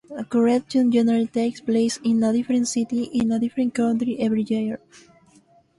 Queeruption generally takes place in a different city in a different country every year.